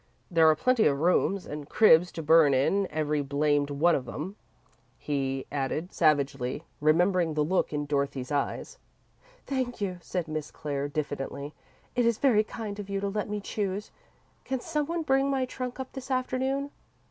There are plenty of rooms, and cribs to burn in every blamed one of 'em," he added, savagely, remembering the look in Dorothy's eyes. "Thank you," said Miss St. Clair, diffidently; "it is very kind of you to let me choose. Can some one bring my trunk up this afternoon?"